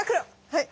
はい！